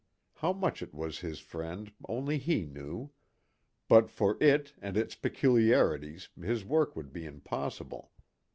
How much it was his friend only he knew. But for it, and its peculiarities, his work would be impossible.